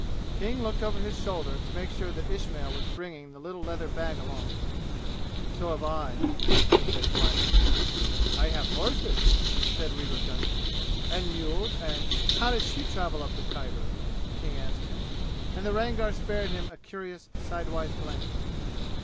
King looked over his shoulder to make sure that Ismail was bringing the little leather bag along. "So have I," he said quietly. "I have horses," said Rewa Gunga, "and mules and " "How did she travel up the Khyber?" King asked him, and the Rangar spared him a curious sidewise glance.